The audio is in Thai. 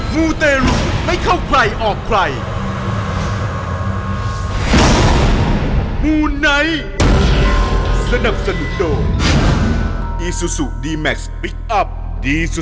มูไนท์สนับสนุกโดยอีซูซูดีแม็กซ์พลิกอัพดีสุด